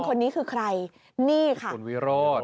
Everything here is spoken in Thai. คนนี้คือใครนี่ค่ะคุณวิโรธ